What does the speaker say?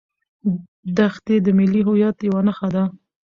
دښتې د ملي هویت یوه نښه ده.